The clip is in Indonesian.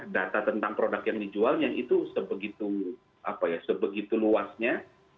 data tentang produk yang dijualnya itu sebegitu luasnya